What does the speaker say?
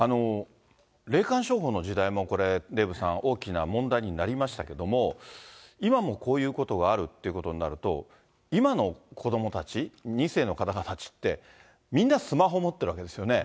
霊感商法の時代も、これ、デーブさん、大きな問題になりましたけれども、今もこういうことがあるっていうことになると、今の子どもたち、２世の子どもたちって、みんなスマホ持ってるわけですよね。